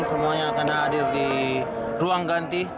semuanya akan hadir di ruang ganti